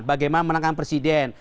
bagaimana menangkan presiden